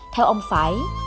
theo ông phải